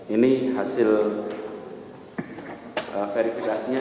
ini hasil verifikasinya